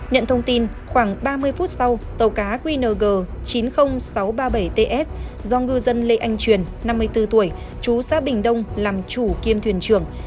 nhận thông tin khoảng ba mươi phút sau tàu cá qng chín mươi nghìn sáu trăm ba mươi bảy ts do ngư dân lê anh truyền năm mươi bốn tuổi chú xã bình đông làm chủ kiêm thuyền trưởng